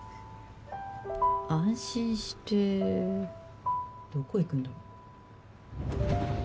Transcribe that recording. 安心してどこいくんだろ。